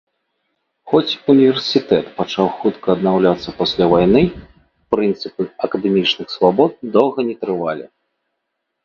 Хоць універсітэт пачаў хутка аднаўляцца пасля вайны, прынцыпы акадэмічных свабод доўга не трывалі.